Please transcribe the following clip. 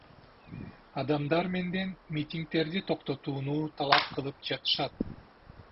Адамдар менден митингдерди токтотууну талап кылып жатышат.